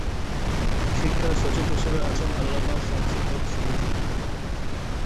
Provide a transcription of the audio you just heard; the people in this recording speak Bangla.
শিক্ষা সচিব হিসেবে আছেন আল্লামা শামসুল হক সুফিজী।